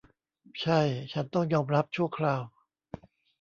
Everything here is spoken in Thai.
ใช่ฉันต้องยอมรับชั่วคราว